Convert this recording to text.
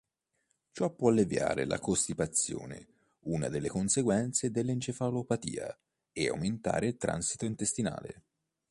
Ciò può alleviare la costipazione, una delle conseguenze dell'encefalopatia e aumentare il transito intestinale.